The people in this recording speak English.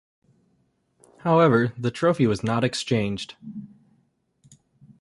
However, the trophy was not exchanged.